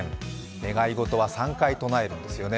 願い事は３回唱えるんですよね。